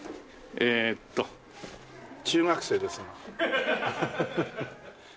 えーっと中学生ですので。